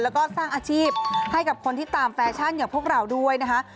แล้วก็สร้างอาชีพให้กับคนที่ตามแฟชั่นอย่างพวกเราด้วยนะคะ